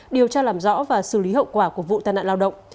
điều tra làm rõ và xử lý hậu quả của vụ tai nạn lao động